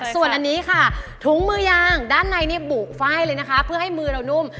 ส่วนอันนี้ค่ะถุงมือยางด้านในนี่บุฝ้ายเลยนะคะเพื่อให้มือเรานุ่ม